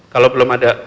kalau belum ada